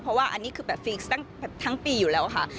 เพราะว่าอันนี้คือฟิกซ์ทั้งปีอยู่แล้วค่ะ